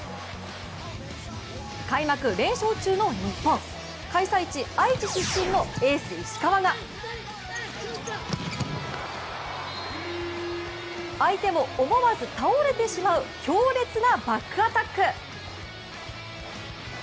開幕連勝中の日本、開催地・愛知出身のエース・石川が相手も思わず倒れてしまう強烈なバックアタック。